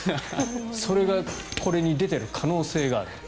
それがこれに出てる可能性があると。